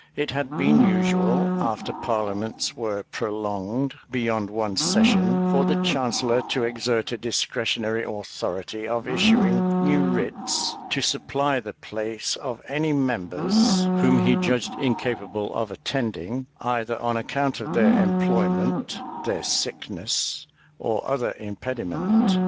It had been usual, after parliaments were prolonged beyond one session, for the chancellor to exert a discretionary authority of issuing new writs to supply the place of any members whom he judged incapable of attending, either on account of their employment, their sickness, or other impediment.